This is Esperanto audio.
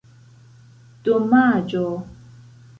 domaĝo